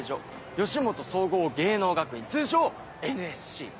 吉本総合芸能学院通称ＮＳＣ。